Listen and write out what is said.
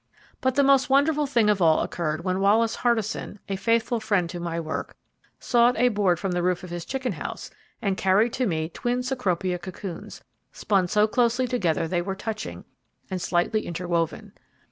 But the most wonderful thing of all occurred when Wallace Hardison, a faithful friend to my work, sawed a board from the roof of his chicken house and carried to me twin Cecropia cocoons, spun so closely together they were touching, and slightly interwoven.